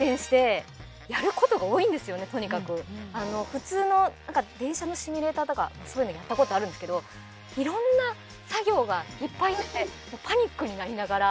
普通の電車のシミュレーターとかそういうのやったことあるんですけどいろんな作業がいっぱいあってパニックになりながら。